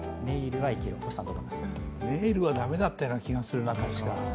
ネイルは駄目だったような気がするな。